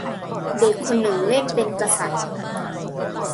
เด็กคนหนึ่งเล่นเป็นกษัตริย์